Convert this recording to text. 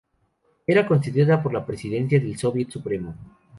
Era concedida por la Presidencia del Soviet Supremo.